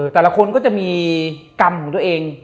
แต่ละคนก็จะมีกรรมของตัวเอง